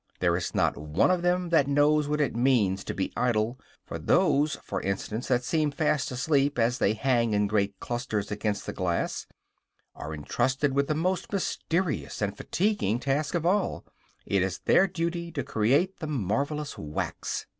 There is not one of them that knows what it means to be idle; and those, for instance, that seem fast asleep, as they hang in great clusters against the glass, are entrusted with the most mysterious and fatiguing task of all; it is their duty to create the marvelous wax.